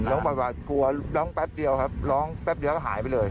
ร้องบ่อยกลัวร้องแป๊บเดียวครับร้องแป๊บเดียวก็หายไปเลย